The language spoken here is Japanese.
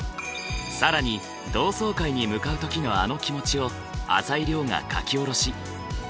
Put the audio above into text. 更に同窓会に向かう時のあの気持ちを朝井リョウが書き下ろし。